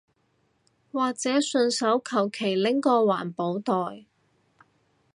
或者順手求其拎個環保袋